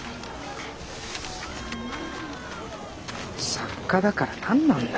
作家だから何なんだ。